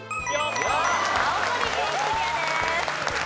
青森県クリアです。